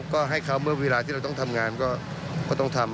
ก็ให้เขาเมื่อเวลาที่เราต้องทำงานก็ต้องทำ